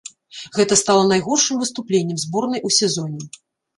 Гэта стала найгоршым выступленнем зборнай у сезоне.